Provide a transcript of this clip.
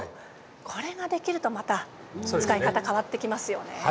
これができると、また使い方が変わってきますよね。